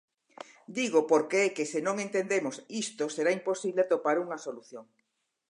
Dígoo porque é que se non entendemos isto será imposible atopar unha solución.